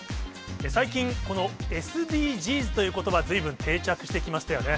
最近、このＳＤＧｓということば、ずいぶん定着してきましたよね。